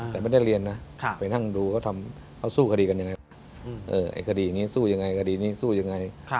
แต่ไม่ได้เรียนนะไปนั่งดูเขาสู้คดีกันยังไงคดีอย่างนี้สู้ยังไงคดีนี้สู้ยังไง